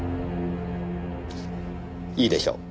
いいでしょう。